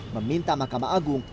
meminta mahkamah agung